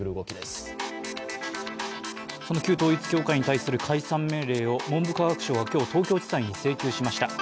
その旧統一教会に対する解散命令について、今日、東京地裁に提出しました。